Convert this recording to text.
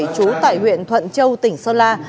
chú tại huyện thuận châu tỉnh sơn la